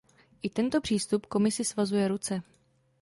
I tento přístup Komisi svazuje ruce.